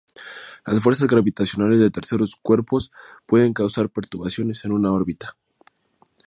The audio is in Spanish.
Las fuerzas gravitacionales de terceros cuerpos pueden causar perturbaciones en una órbita.